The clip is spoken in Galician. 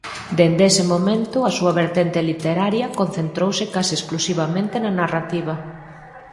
Dende ese momento a súa vertente literaria concentrouse case exclusivamente na narrativa.